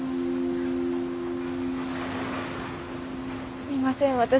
すみません私。